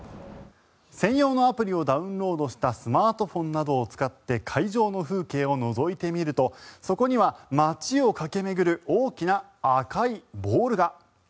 専用のアプリをダウンロードしたスマートフォンなどを使って会場の風景をのぞいてみるとそこには街を駆け巡る大きな赤いボールが。